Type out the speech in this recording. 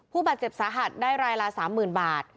ผู้บาดเจ็บสาหัสได้รายละ๓๐๐๐บาท